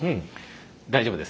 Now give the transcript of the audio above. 大丈夫ですね。